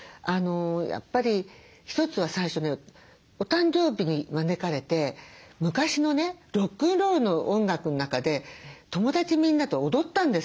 やっぱり一つは最初ねお誕生日に招かれて昔のねロックンロールの音楽の中で友達みんなと踊ったんですよ。